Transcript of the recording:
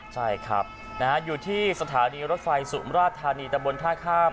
ใช่ครับอยู่ที่สถานีรถไฟสุมราชธานีตะบนท่าข้าม